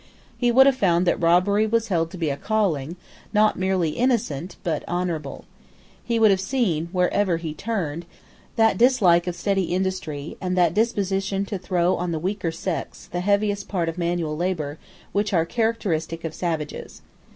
He would have found that robbery was held to be a calling, not merely innocent, but honourable. He would have seen, wherever he turned, that dislike of steady industry, and that disposition to throw on the weaker sex the heaviest part of manual labour, which are characteristic of savages.